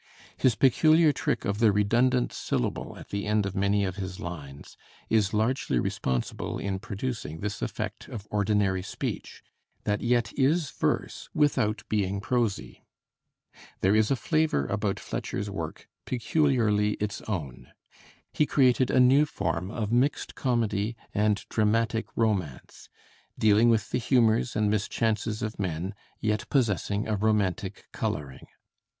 His peculiar trick of the redundant syllable at the end of many of his lines is largely responsible in producing this effect of ordinary speech, that yet is verse without being prosy. There is a flavor about Fletcher's work peculiarly its own. He created a new form of mixed comedy and dramatic romance, dealing with the humors and mischances of men, yet possessing a romantic coloring.